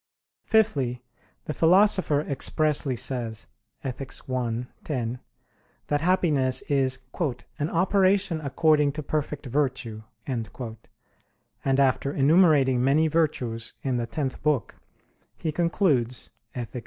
Fifthly, the Philosopher expressly says (Ethic. i, 10), that happiness is "an operation according to perfect virtue"; and after enumerating many virtues in the tenth book, he concludes (Ethic.